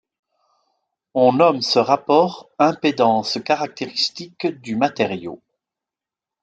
On nomme ce rapport impédance caractéristique du matériau.